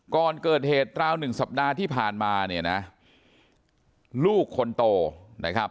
ก่อนเกิดเหตุราวหนึ่งสัปดาห์ที่ผ่านมาเนี่ยนะลูกคนโตนะครับ